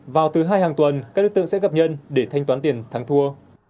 vào thứ hai hàng tuần các đối tượng sẽ gặp nhân để thanh toán tiền thắng thua